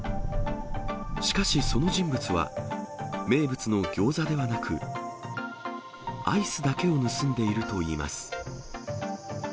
しかし、その人物は名物のギョーザではなく、アイスだけを盗んでいるといいます。